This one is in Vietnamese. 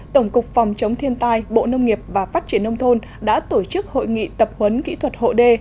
tổng cục phòng chống thiên tai bộ nông nghiệp và phát triển nông thôn đã tổ chức hội nghị tập huấn kỹ thuật hộ đê